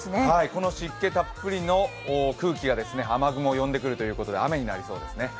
この湿気たっぷりの空気が雨雲を呼んでくるということで雨になりそうですね。